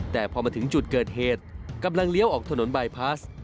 แต่พอมาถึงจุดเกิดเหตุกำลังเลี้ยวออกถนนบายพลาส